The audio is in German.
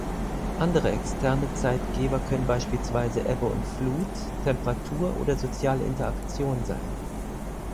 Andere externe Zeitgeber können beispielsweise Ebbe und Flut, Temperatur oder soziale Interaktion sein.